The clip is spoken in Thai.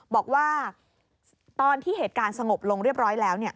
บอกว่าตอนที่เหตุการณ์สงบลงเรียบร้อยแล้ว